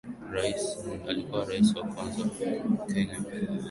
alikuwa ni Rais wa kwanza wa Kenyaalizaliwa mwelfu moja mia nane tisini na